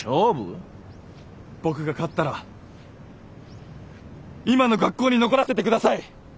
僕が勝ったら今の学校に残らせて下さい。